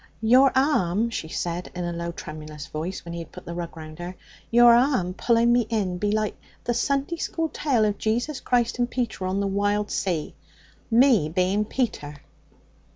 'Your arm,' she said in a low tremulous voice, when he had put the rug round her 'your arm pulling me in be like the Sunday school tale of Jesus Christ and Peter on the wild sea me being Peter.'